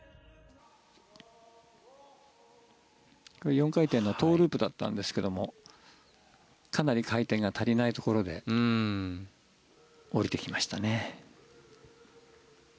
これは４回転のトウループだったんですがかなり回転が足りないところで降りてきましたね。